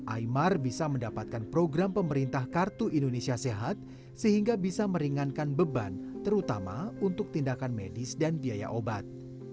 imar bisa mendapatkan program pemerintah kartu indonesia sehat sehingga bisa meringankan beban terutama untuk tindakan medis dan biaya obat